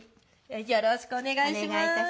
よろしくお願いします。